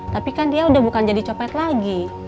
tapi kan dia udah bukan jadi copet lagi